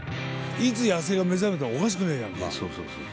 いつ野生が目覚めてもおかしくねえからな。